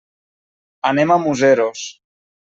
Anem a Museros.